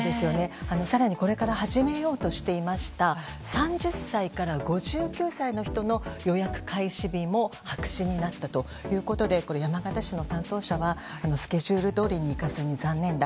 更にこれから始めようとしていました３０歳から５９歳の人の予約開始日も白紙になったということで山形市の担当者はスケジュールどおりにいかずに残念だ。